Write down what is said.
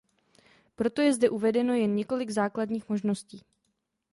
Proto je zde uvedeno jen několik základních možností.